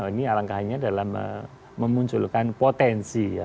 ini alangkahnya dalam memunculkan potensi ya